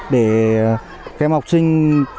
để các em học sinh